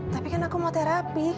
tapi kan aku mau terapi